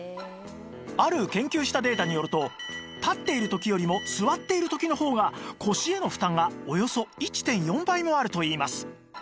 ある研究したデータによると立っている時よりも座っている時の方が腰への負担がおよそ １．４ 倍もあるといいます